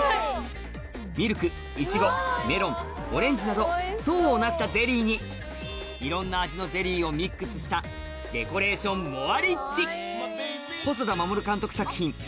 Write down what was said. ミルクイチゴメロンオレンジなど層を成したゼリーにいろんな味のゼリーをミックスしたに登場しうわ！